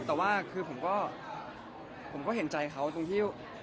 แต่ว่าผมก็เห็นใจเขาตรงที่